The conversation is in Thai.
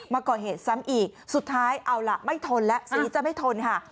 มาก่อเหตุซ้ำอีกสุดท้ายเอาล่ะไม่ทนแล้วสีจะไม่ทนค่ะ